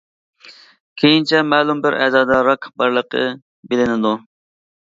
كېيىنچە مەلۇم بىر ئەزادا راك بارلىقى بىلىنىدۇ.